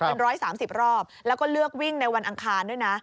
เป็น๑๓๐รอบแล้วก็เลือกวิ่งในวันอังคารด้วยนะ